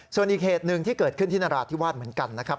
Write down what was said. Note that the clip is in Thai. ส่วนอีกเหตุหนึ่งที่เกิดขึ้นที่นราธิวาสเหมือนกันนะครับ